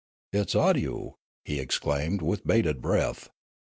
"It 's Awdyoo," he exclaimed with bated breath.